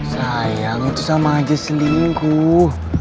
sayang itu sama aja selingkuh